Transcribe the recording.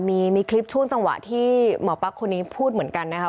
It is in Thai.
มีคลิปช่วงจังหวะที่หมอปั๊กคนนี้พูดเหมือนกันนะคะ